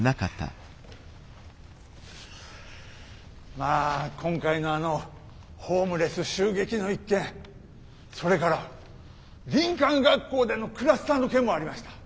まあ今回のあのホームレス襲撃の一件それから林間学校でのクラスターの件もありました。